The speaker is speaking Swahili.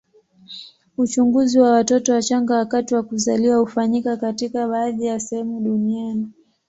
Uchunguzi wa watoto wachanga wakati wa kuzaliwa hufanyika katika baadhi ya sehemu duniani.